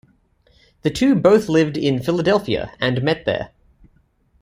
The two both lived in Philadelphia and met there.